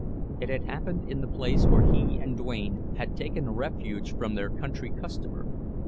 (It had happened in the place where he and Duane had taken refuge from their "country customer."